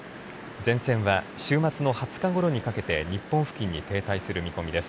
前線は週末の２０日ごろにかけて日本付近に停滞する見込みです。